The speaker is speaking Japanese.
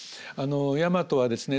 大和はですね